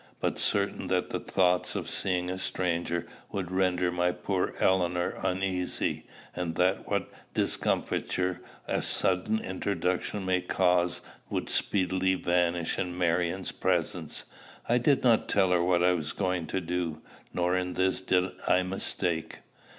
But certain that the thought of seeing a stranger would render my poor Eleanor uneasy, and that what discomposure a sudden introduction might cause would speedily vanish in Marion's presence, I did not tell her what I was going to do. Nor in this did I mistake.